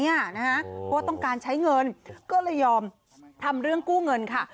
เพราะว่าต้องการใช้เงินก็เลยยอมทำเรื่องกู้เงินค่ะ